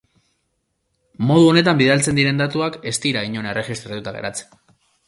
Modu honetan bidaltzen diren datuak ez dira inon erregistratua geratzen.